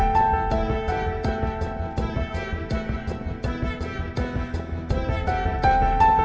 waktu lahirnya rina